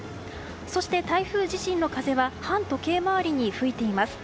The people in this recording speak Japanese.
そして、台風自身の風は反時計回りに吹いています。